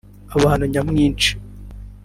Abantu nyamwinshi